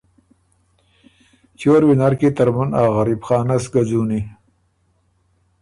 چیور وینر کی، ترمُن ا غریب خانۀ سو ګه ځُوني“